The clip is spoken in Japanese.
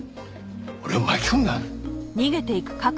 俺を巻き込むな。